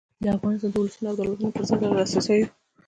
د افغانستان د اولسونو او دولتونو پر ضد له دسیسو.